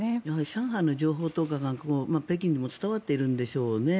上海の情報とかが北京にも伝わってるんでしょうね。